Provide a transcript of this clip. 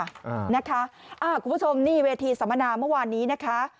คุณผู้ชมนี่เวทีสัมมนาเมื่อวานนี้นะคะ